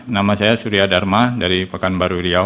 nama saya surya dharma dari pekanbaru riau